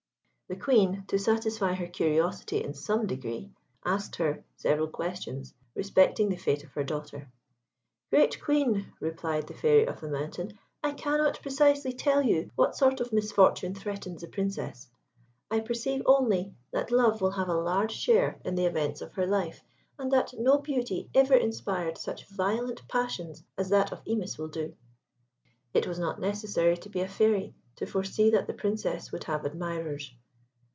The Queen, to satisfy her curiosity in some degree, asked her several questions respecting the fate of her daughter. "Great Queen," replied the Fairy of the Mountain, "I cannot precisely tell you what sort of misfortune threatens the Princess. I perceive only that love will have a large share in the events of her life, and that no beauty ever inspired such violent passions as that of Imis will do." It was not necessary to be a fairy to foresee that the Princess would have admirers.